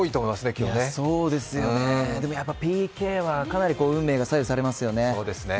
ＰＫはかなり運命が左右されますよね。